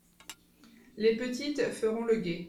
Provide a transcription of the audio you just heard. Les petites feront le guet.